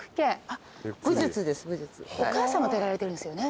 お母さまとやられてるんですよね。